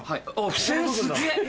付箋すげぇ！